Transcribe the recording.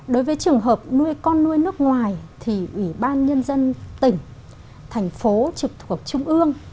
đối với trường hợp nuôi con nuôi nước ngoài thì ủy ban nhân dân tỉnh thành phố trực thuộc trung ương